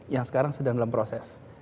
yang sekarang sedang dalam proses